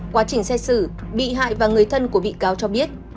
quá trình xét xử bị hại và người thân của bị cáo cho biết